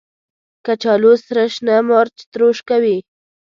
کچالو سره شنه مرچ تروش کوي